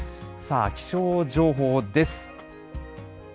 さあ、気象情報です。